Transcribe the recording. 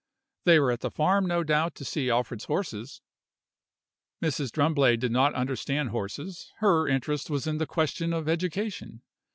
They were at the farm, no doubt, to see Alfred's horses. Mrs. Drumblade did not understand horses; her interest was in the question of education.